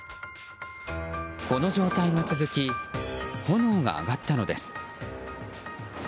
この状態が続き炎が上がったのです。